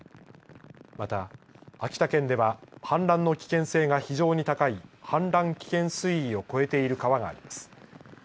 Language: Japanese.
また、秋田県では氾濫の危険性が非常に高い氾濫危険水位を超えている川があります。